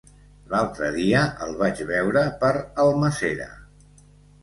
L'altre dia el vaig veure per Almàssera.